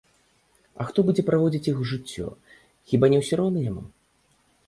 А хто будзе праводзіць іх у жыццё, хіба не ўсё роўна яму?